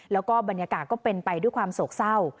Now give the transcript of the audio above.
แล้วก็บรรยากาศก็เป็นไปด้วยความโศกเศร้า